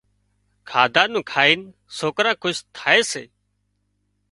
کاڌا نُون کائين سوڪران خوش ٿائي سي